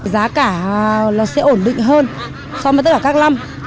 giá cả nó sẽ ổn định hơn so với tất cả các năm